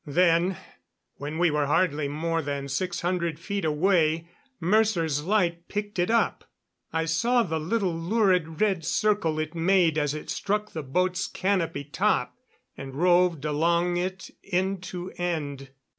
Then, when we were hardly more than six hundred feet away, Mercer's light picked it up. I saw the little lurid red circle it made as it struck the boat's canopy top, and roved along it end to end.